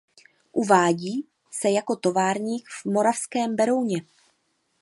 Uvádí se jako továrník v Moravském Berouně.